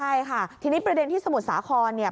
ใช่ค่ะทีนี้ประเด็นที่สมุทรสาครเนี่ย